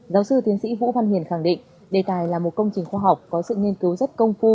giáo sư tiến sĩ vũ văn hiền khẳng định đề tài là một công trình khoa học có sự nghiên cứu rất công phu